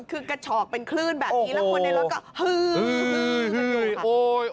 คือกระฉอกเป็นคลื่นแบบนี้แล้วคนในรถก็ฮือ